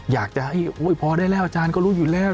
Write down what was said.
อยากจะให้พอได้แล้วอาจารย์ก็รู้อยู่แล้ว